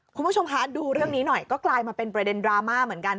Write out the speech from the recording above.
คุณผู้ชมคะดูเรื่องนี้หน่อยก็กลายมาเป็นประเด็นดราม่าเหมือนกัน